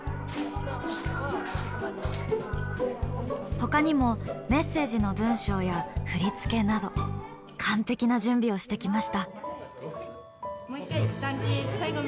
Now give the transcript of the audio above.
ほかにもメッセージの文章や振り付けなど完璧な準備をしてきました。